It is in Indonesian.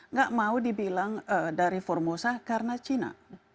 nggak mau dibilang dari formusa karena cina